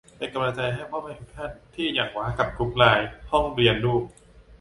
เป็นกำลังใจให้พ่อแม่ทุกท่านที่อิหยังวะกับกรุ๊ปไลน์ห้องเรียนลูก